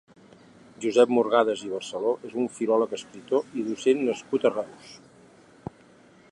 Josep Murgades i Barceló és un filòleg, escriptor i docent nascut a Reus.